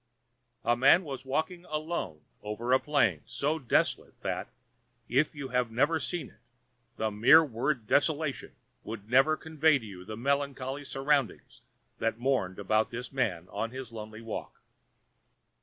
A man was walking alone over a plain so desolate that, if you have never seen it, the mere word desolation could never convey to you the melancholy surroundings that mourned about this man on his lonely walk.